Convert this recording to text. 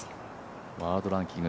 ワールドランキング